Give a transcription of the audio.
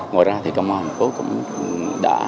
ngoài ra thì công an thành phố cũng đã